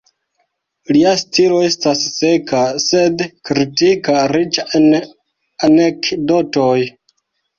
Lia stilo estas seka, sed kritika, riĉa en anekdotoj.